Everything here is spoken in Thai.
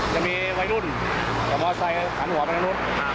จะมีวัยรุ่นกับมอเซอร์ไซค์หันหัวไปข้างนู้น